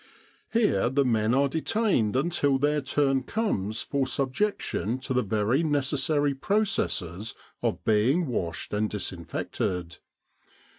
Here the men are detained until their turn comes for subjection to the very necessary processes of being washed and disinfected.